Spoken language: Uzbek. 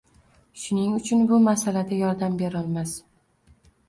Shuning uchun bu masalada yordam berolmas